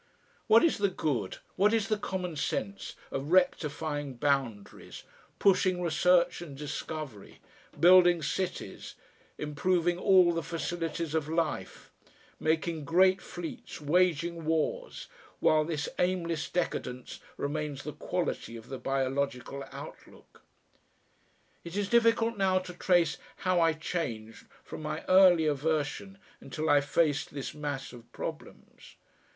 What is the good, what is the common sense, of rectifying boundaries, pushing research and discovery, building cities, improving all the facilities of life, making great fleets, waging wars, while this aimless decadence remains the quality of the biological outlook?... It is difficult now to trace how I changed from my early aversion until I faced this mass of problems.